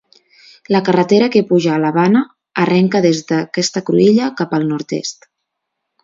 La carretera que puja a la Bana arrenca des d'aquesta cruïlla cap al nord-oest.